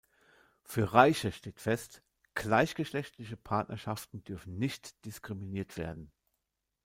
Für Reiche steht fest: „Gleichgeschlechtliche Partnerschaften dürfen nicht diskriminiert werden.